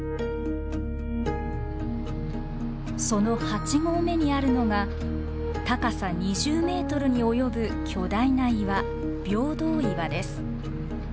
その八合目にあるのが高さ２０メートルに及ぶ巨大な岩平等岩です。